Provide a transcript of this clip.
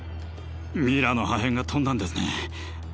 ミラーの破片が飛んだんですね。